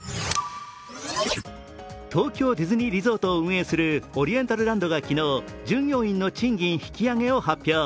東京ディズニーリゾートを運営するオリエンタルランドが昨日従業員の賃金引き上げを発表。